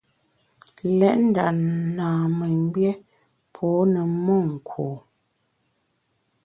Lét nda namemgbié pô ne monku.